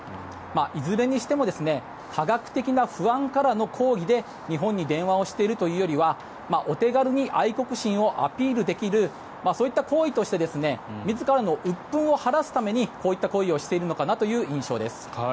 いずれにしても科学的な不安からの抗議で日本に電話をしているというよりはお手軽に愛国心をアピールできるそういった行為として自らのうっ憤を晴らすためにこういった行為をしているのかなという印象です。